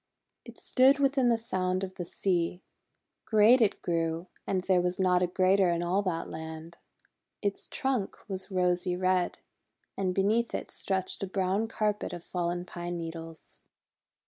It stood within the sound of the sea. Great it grew, and there was not a greater in all that land. Its trunk was rosy red, and beneath it stretched a brown carpet of fallen pine needles.